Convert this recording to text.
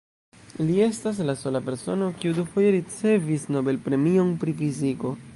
Li estas la sola persono, kiu dufoje ricevis la Nobel-premion pri fiziko.